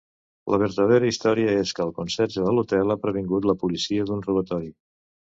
La vertadera història és que el conserge de l'hotel ha previngut la policia d'un robatori.